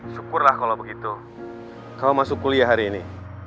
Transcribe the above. syukurlah kalau begitu kamu masuk kuliah hari ini